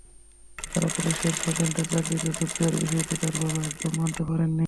তাঁর পুলিশের সার্জেন্টের চাকরিতে যোগ দেওয়ার বিষয়টি তাঁর বাবা একদম মানতে পারেননি।